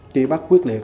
khi bắt quyết liệt